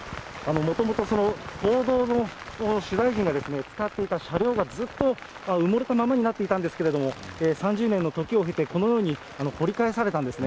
もともと報道の取材陣が使っていた車両がずっと埋もれたままになっていたんですけれども、３０年の時を経て、このように掘り返されたんですね。